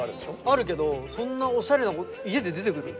あるけどそんなオシャレな家で出てくる？